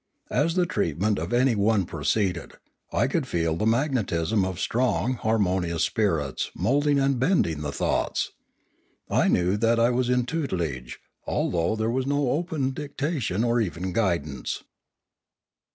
As the treatment of any one proceeded, I could feel the magnetism of strong, harmonious spirits moulding and bending the thoughts. I knew that I was in tutelage, although there was no open dictation or even guidance.